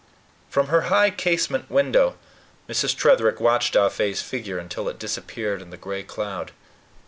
From her high casement window, Mrs. Tretherick watched Ah Fe's figure until it disappeared in the gray cloud.